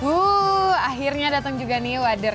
cukup banyak dan susah maunyavasive